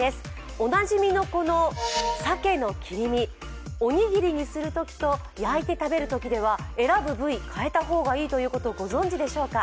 おなじみの、この鮭の切り身、おにぎりにするときと焼いて食べるときでは選ぶ部位を変えた方がいいということご存じでしょうか。